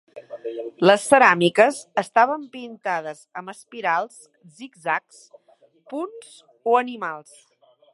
Les ceràmiques estaven pintades amb espirals, zigzags, punts o animals.